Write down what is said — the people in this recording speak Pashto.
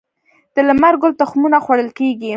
د لمر ګل تخمونه خوړل کیږي